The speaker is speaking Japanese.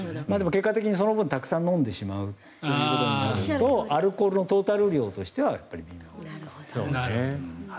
結果的にその分たくさん飲んでしまうことになるとアルコールのトータル量としては。